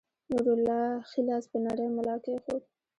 نورالله ښے لاس پۀ نرۍ ملا کېښود